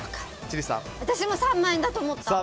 私も３万円だと思った。